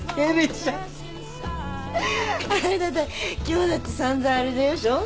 今日だって散々あれでしょ。